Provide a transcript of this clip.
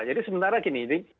jadi sementara gini